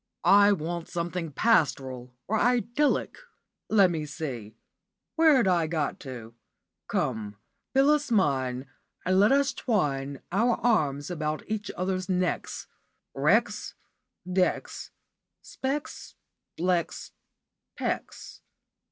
I want something pastoral or idyllic. Let me see, where 'd I got to? 'Come, Phyllis mine, and let us twine our arms about each other's necks.' Wrecks, decks, specks, flecks, pecks.